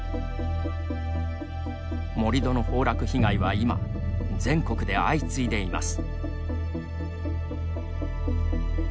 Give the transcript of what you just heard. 盛り土の崩落被害は今、全国で相次いでいます。